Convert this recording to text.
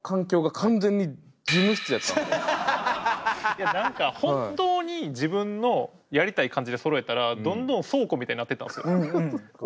いや何か本当に自分のやりたい感じでそろえたらどんどん倉庫みたいになってったんですよ。